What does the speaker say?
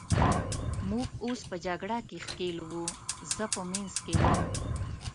موږ اوس په جګړه کې ښکېل وو، زه په منځ کې وم.